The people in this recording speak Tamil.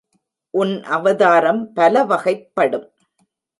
உன் அவதாரம் பல வகைப்படும்.